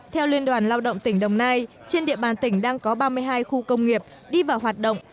theo liên đoàn lao động tỉnh đồng nai trên địa bàn tỉnh đang có ba mươi hai khu công nghiệp đi vào hoạt động